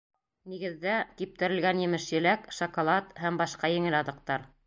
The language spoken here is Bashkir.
Нигеҙҙә, киптерелгән емеш-еләк, шоколад һәм башҡа еңел аҙыҡтар.